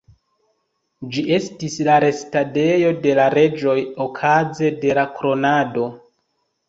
Ĝi estis la restadejo de la reĝoj okaze de la kronado.